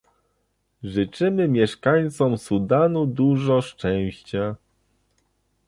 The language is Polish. Życzymy mieszkańcom Sudanu dużo szczęścia